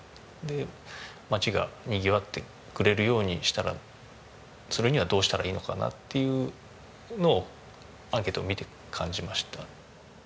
町がにぎわってくれるようにしたらするにはどうしたらいいのかなっていうのをアンケートを見て感じました。